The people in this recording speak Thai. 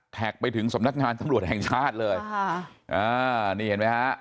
แท็กไปถึงสำนักงานตำรวจแห่งชาติเลยนี่เห็นไหมฮะ